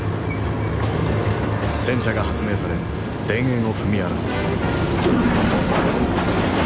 戦車が発明され田園を踏み荒らす。